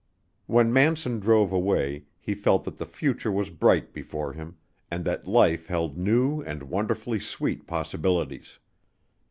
When Manson drove away, he felt that the future was bright before him, and that life held new and wonderfully sweet possibilities.